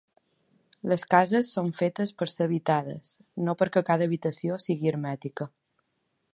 Les cases són fetes per ser habitades, no perquè cada habitació sigui hermètica.